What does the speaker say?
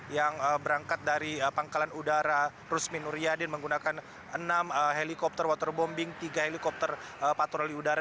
yang berangkat dari pangkalan udara rusmin uryadin menggunakan enam helikopter waterbombing tiga helikopter patroli udara